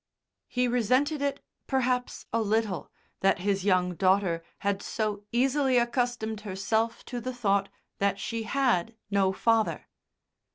He resented it, perhaps a little, that his young daughter had so easily accustomed herself to the thought that she had no father.